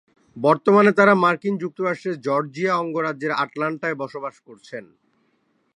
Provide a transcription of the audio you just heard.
বর্তমানে তারা মার্কিন যুক্তরাষ্ট্রের জর্জিয়া অঙ্গরাজ্যের আটলান্টায় বসবাস করছেন।